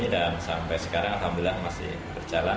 dan sampai sekarang alhamdulillah masih berjalan